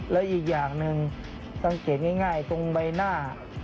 และอีกอย่างหนึ่งสังเกตง่ายตรงใบหน้า